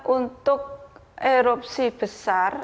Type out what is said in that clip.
untuk erupsi besar